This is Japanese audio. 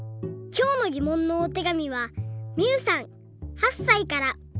きょうのぎもんのおてがみはみゆさん８さいから。